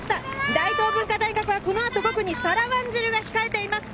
大東文化大学はこの後、５区にサラ・ワンジルが控えています。